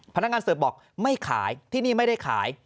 พนักงานเสิร์ฟบอกไม่ขายที่นี่ไม่ได้ขาย